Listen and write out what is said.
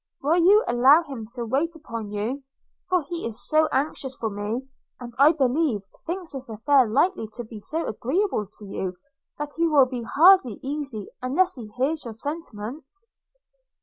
– Will you allow him to wait upon you? – for he is so anxious for me, and, I believe, thinks this affair likely to be so agreeable to you, that he will be hardly easy unless he hears your sentiments.'